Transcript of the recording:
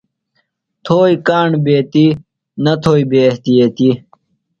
تھوئیۡ کاݨ بیتیۡ، نہ تھوئیۡ بے احتیطیۡ